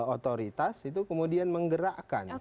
otoritas itu kemudian menggerakkan